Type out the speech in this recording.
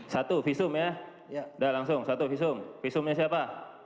satu visum ya sudah langsung satu visum visumnya siapa